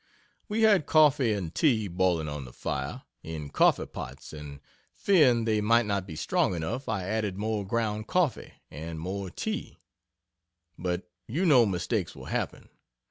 We had coffee and tea boiling on the fire, in coffee pots and fearing they might not be strong enough, I added more ground coffee, and more tea, but you know mistakes will happen.